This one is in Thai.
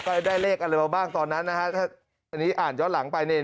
ก็ได้เลขอะไรมาบ้างตอนนั้นนะครับอันนี้อ่านย้อนหลังไป